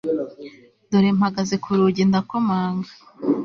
dore mpagaze kurugi ndakomanga